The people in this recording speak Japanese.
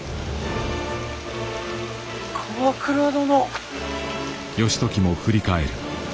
鎌倉殿。